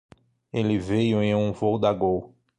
Ele veio em um voo da Gol.